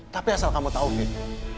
tapi asal kamu tahu fif